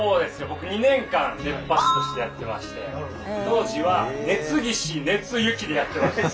僕２年間熱波師としてやってまして当時は「熱岸熱行」でやってました。